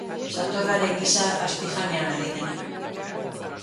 Satorraren gisa azpijanean ari dena.